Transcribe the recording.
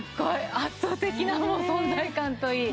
圧倒的な存在感といい。